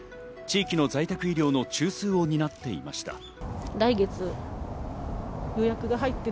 地域の在宅医療の中枢を担っていました。